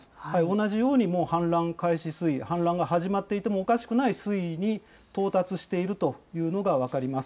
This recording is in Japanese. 同じようにもう氾濫開始水位、氾濫が始まっていてもおかしくない水位に到達しているというのが分かります。